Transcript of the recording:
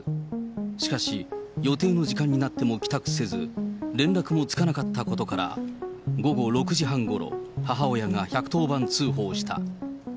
しかし、予定の時間になっても帰宅せず、連絡もつかなかったことから、午後６時半ごろ、母親が１１０番通報した。